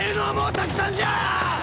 たくさんじゃ！